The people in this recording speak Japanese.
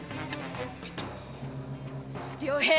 良平